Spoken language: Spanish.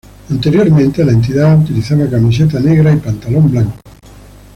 Anteriormente, la entidad utilizaba camiseta negra y pantalón blanco.